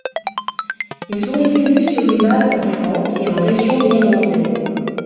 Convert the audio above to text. Ils ont été vus sur des bases en France et en régions néerlandaises.